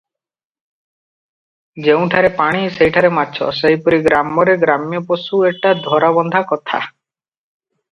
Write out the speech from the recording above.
ଯେଉଁଠାରେ ପାଣି, ସେହିଠାରେ ମାଛ, ସେହିପରି ଗ୍ରାମରେ ଗ୍ରାମ୍ୟ ପଶୁ ଏଟା ଧରାବନ୍ଧା କଥା ।